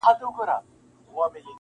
• او ټول خوږ ژوند مي -